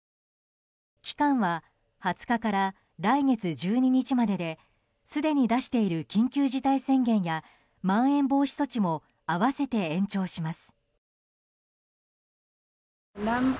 期間は２０日から来月１２日までですでに出している緊急事態宣言やまん延防止措置も併せて延長します。